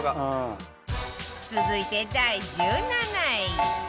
続いて第１７位